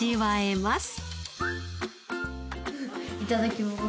いただきます。